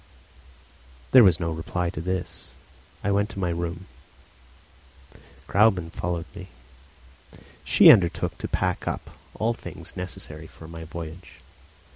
There was no reply to this. I went up to my room. Gräuben followed me. She undertook to pack up all things necessary for my voyage.